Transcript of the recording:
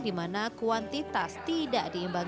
di mana kuantitas tidak diimbangi